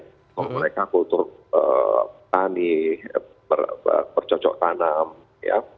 kalau mereka kultur tani bercocok tanam ya